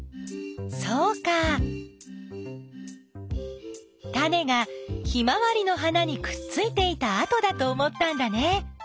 そうかタネがヒマワリの花にくっついていたあとだと思ったんだね。